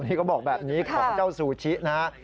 นี่เขาบอกแบบนี้ของเจ้าซูชินะฮะ